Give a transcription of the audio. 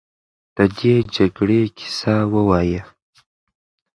د دې جګړې کیسه ووایه.